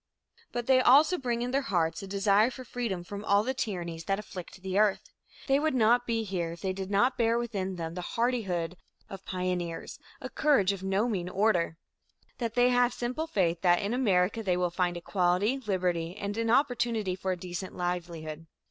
But they also bring in their hearts a desire for freedom from all the tyrannies that afflict the earth. They would not be here if they did not bear within them the hardihood of pioneers, a courage of no mean order. They have the simple faith that in America they will find equality, liberty and an opportunity for a decent livelihood.